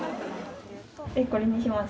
これにします？